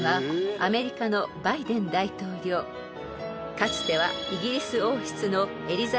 ［かつては］